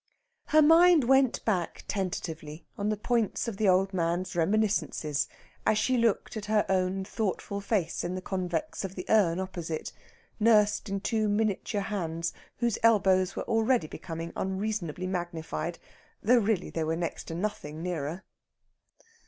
Her mind went back tentatively on the points of the old man's reminiscences, as she looked at her own thoughtful face in the convex of the urn opposite, nursed in two miniature hands whose elbows were already becoming unreasonably magnified, though really they were next to nothing nearer.